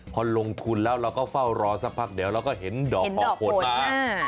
พอลงทุนแล้วเราก็เฝ้ารอสักพักเดี๋ยวเราก็เห็นดอกออกผลมา